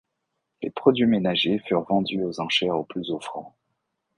Les produits ménagers furent vendus aux enchères aux plus offrants.